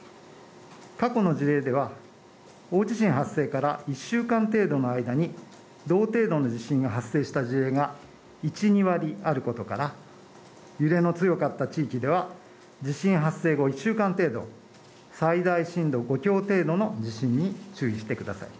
過去の事例では、大地震発生から１週間程度の間に同程度の地震が発生した事例が一、二割あることから、揺れの強かった地域では、地震発生後１週間程度、最大震度５強程度の地震に注意してください。